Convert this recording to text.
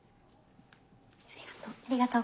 ありがとう。